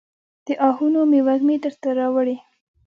د آهونو مې وږمې درته راوړي